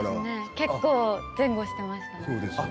結構、前後していました。